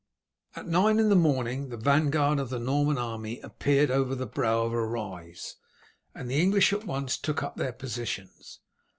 At nine in the morning the vanguard of the Norman army appeared over the brow of a rise, and the English at once took up their positions.